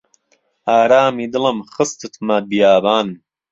ئارامی دڵم خستتمه بیابان